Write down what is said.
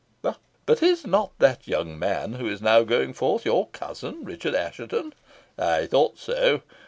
But is not that young man, who is now going forth, your cousin, Richard Assheton? I thought so.